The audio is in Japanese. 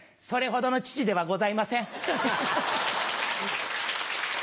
それほどの父ではございません。